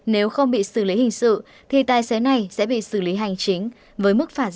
nếu không bị xử lý hình sự thì tài xế này sẽ bị xử lý hành chính với mức phạt